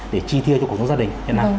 để chi tiêu cho cuộc sống gia đình như thế nào